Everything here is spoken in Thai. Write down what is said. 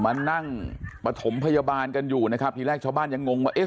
มานั่งปฐมพยาบาลกันอยู่นะครับทีแรกชาวบ้านยังงงว่าเอ๊ะ